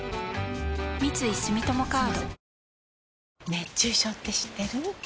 熱中症って知ってる？